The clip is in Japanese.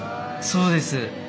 そうです。